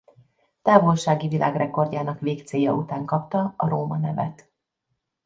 Távolsági világrekordjának végcélja után kapta a Róma nevet.